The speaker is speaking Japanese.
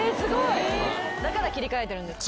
だから切り替えてるんですか？